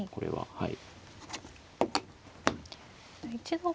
はい。